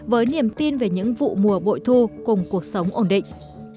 với niềm tin về những vụ mùa bội thu cùng cuộc sống ổn định